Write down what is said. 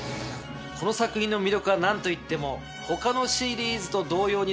この作品の魅力は何といっても他のシリーズと同様にですね